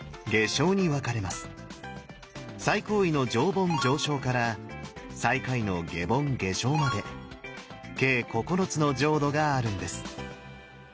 最高位の「上品上生」から最下位の「下品下生」まで計９つの浄土があるんです。